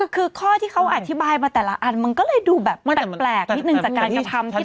คือข้อที่เขาอธิบายมาแต่ละอันมันก็เลยดูแบบแปลกนิดนึงจากการกระทำ